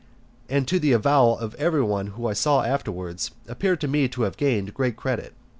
and to the avowal of every one whom I saw afterwards, appeared to me to have gained great credit.